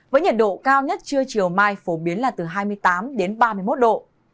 với nhiệt độ cao nhất trưa chiều mai phổ biến là từ hai mươi tám đến ba mươi một độ